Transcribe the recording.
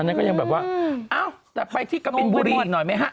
นั้นก็ยังแบบว่าเอ้าแต่ไปที่กะบินบุรีอีกหน่อยไหมฮะ